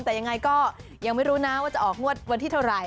แต่ยังไงก็ยังไม่รู้นะว่าจะออกงวดวันที่เท่าไหร่